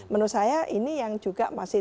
menurut saya ini yang juga masih